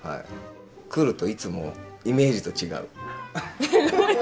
来るといつも、イメージと違う。